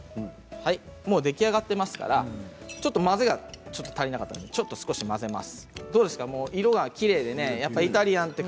もう出来上がっていますからちょっと混ぜが足りなかったので少し混ぜます。